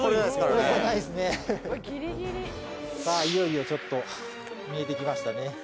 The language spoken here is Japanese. いよいよちょっと見えて来ましたね。